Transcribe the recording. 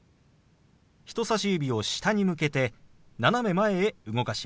人さし指を下に向けて斜め前へ動かします。